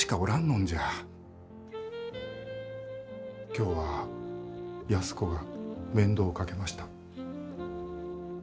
今日は安子が面倒をかけました。